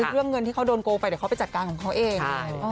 เรื่องเงินที่เขาโดนโกงไปเดี๋ยวเขาไปจัดการของเขาเอง